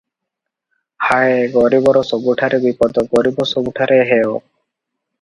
ହାୟ, ଗରିବର ସବୁଠାରେ ବିପଦ- ଗରିବ ସବୁଠାରେ ହେୟ ।